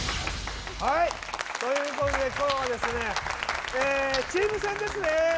ということで、今日はチーム戦ですね。